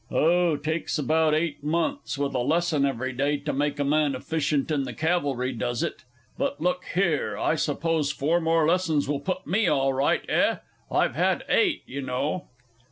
Oh, takes about eight months, with a lesson every day, to make a man efficient in the Cavalry, does it? But, look here I suppose four more lessons will put me all right, eh? I've had eight, y' know. R.